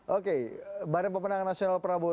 oke badan pemenang nasional prabowo